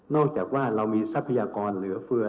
จากว่าเรามีทรัพยากรเหลือเฟือ